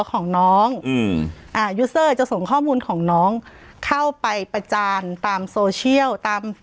ของน้องอืมอ่าจะส่งข้อมูลของน้องเข้าไปประจานตามตาม